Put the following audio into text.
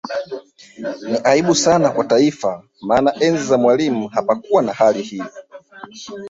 Ni aibu sana kwa Taifa maana enzi za Mwalimu hapakukuwa na hali hii